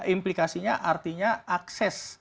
implikasinya artinya akses